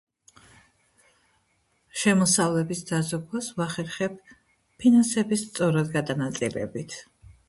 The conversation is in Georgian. შემოსავლების დაზოგვას ვახერხებ ფინანსების სწორად გადანაწილებით.